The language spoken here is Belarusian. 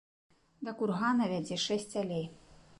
Да кургана вядзе шэсць алей.